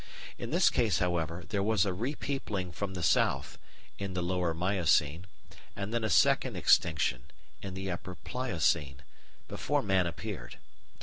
In this case, however, there was a repeopling from the South (in the Lower Miocene) and then a second extinction (in the Upper Pliocene) before man appeared.